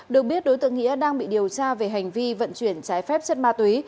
được biết đối tượng nghĩa đang bị điều tra về hành vi vận chuyển trái phép chất ma túy